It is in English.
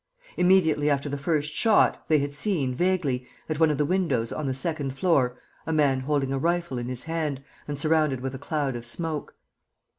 Immediately after the first shot, they had seen, vaguely, at one of the windows on the second floor, a man holding a rifle in his hand and surrounded with a cloud of smoke.